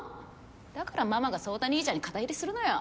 だからママが宗太兄ちゃんに肩入れするのよ！